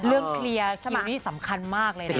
เรื่องเคลียร์คิวนี้สำคัญมากเลยนะ